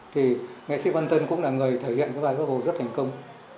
thì nghệ sĩ văn tân cũng là người thể hiện bài bắc hồ rất thành công